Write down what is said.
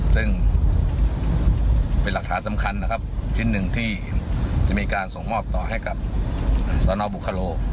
ซึ่งเป็นหลักฐานสำคัญนะครับชิ้นหนึ่งที่จะมีการส่งมอบต่อให้กับสนบุคโล